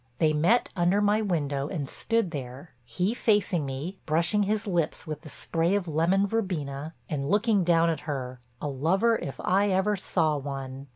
They met under my window and stood there, he facing me, brushing his lips with the spray of lemon verbena and looking down at her, a lover if ever I saw one.